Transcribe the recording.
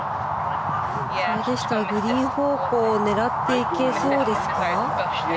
グリーン方向を狙っていけそうですか。